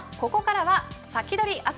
さあ、ここからはサキドリ！